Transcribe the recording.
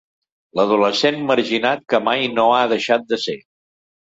L'adolescent marginat que mai no ha deixat de ser.